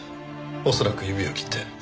恐らく指を切って。